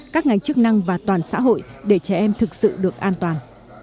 các ngành chức năng và toàn xã hội để trẻ em thực sự được an toàn